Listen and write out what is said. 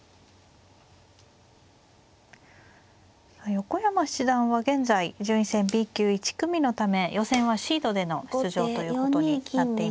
横山七段は現在順位戦Ｂ級１組のため予選はシードでの出場ということになっていますけれども